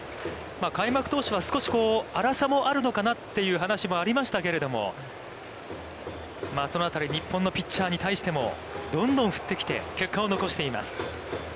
開幕投手は、少し荒さもあるのかなという話もありましたけれども、その辺り、日本のピッチャーに対してもどんどん振ってきて結果を残しています。